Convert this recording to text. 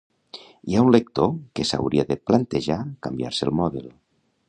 Hi ha un lector que s'hauria de plantejar canviar-se el mòbil